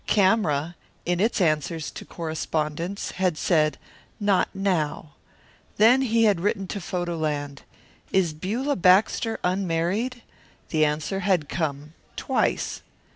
Camera, in its answers to correspondents, had said, "Not now." Then he had written to Photo Land: "Is Beulah Baxter unmarried?" The answer had come, "Twice."